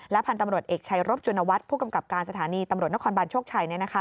พันธุ์ตำรวจเอกชัยรบจุนวัฒน์ผู้กำกับการสถานีตำรวจนครบานโชคชัย